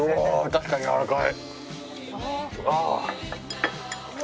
確かにやわらかい！